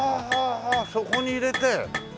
そこに入れて。